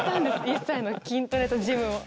一切の筋トレとジムを。